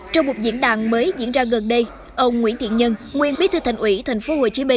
trong một diễn đàn mới diễn ra gần đây ông nguyễn thiện nhân nguyên bí thư thành ủy tp hcm